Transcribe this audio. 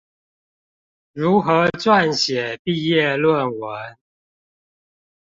如何撰寫畢業論文